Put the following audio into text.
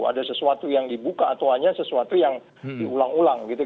ada sesuatu yang dibuka atau hanya sesuatu yang diulang ulang gitu